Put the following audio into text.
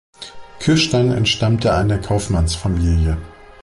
Kirstein entstammte einer Kaufmannsfamilie.